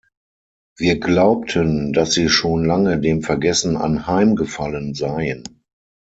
Wir glaubten, dass sie schon lange dem Vergessen anheimgefallen seien.